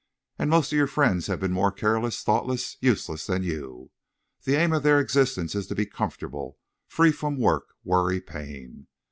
And most of your friends have been more careless, thoughtless, useless than you. The aim of their existence is to be comfortable, free from work, worry, pain.